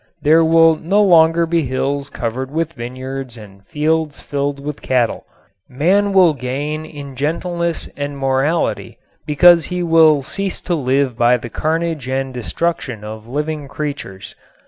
There will no longer be hills covered with vineyards and fields filled with cattle. Man will gain in gentleness and morality because he will cease to live by the carnage and destruction of living creatures....